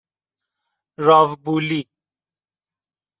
راوبولی